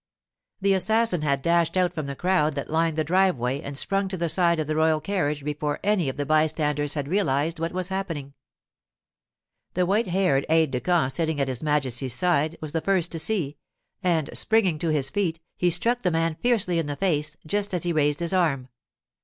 The assassin had dashed out from the crowd that lined the driveway and sprung to the side of the royal carriage before any of the bystanders had realized what was happening. The white haired aide de camp sitting at his Majesty's side was the first to see, and springing to his feet, he struck the man fiercely in the face just as he raised his arm.